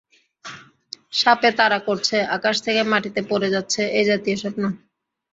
সাপে তাড়া করছে, আকাশ থেকে মাটিতে পড়ে যাচ্ছে-এই জাতীয় স্বপ্ন।